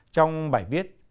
trong bài viết